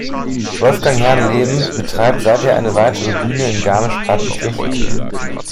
Wolfgang Herrnleben betreibt seither eine weitere Bühne in Garmisch-Partenkirchen.